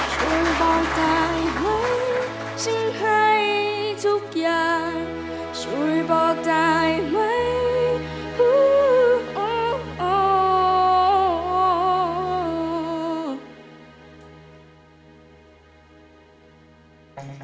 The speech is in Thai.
ช่วยบอกได้ไหมทุกอย่างช่วยบอกได้ไหม